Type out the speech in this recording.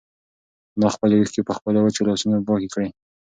انا خپلې اوښکې په خپلو وچو لاسونو پاکې کړې.